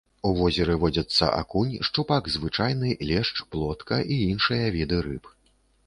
У возеры водзяцца акунь, шчупак звычайны, лешч, плотка і іншыя віды рыб.